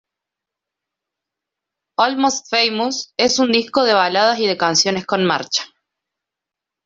Almost Famous es un disco de baladas y de canciones con marcha.